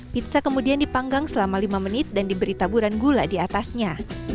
pizza kemudian dipanggang selama lima menit dan diberi taburan gula di atasnya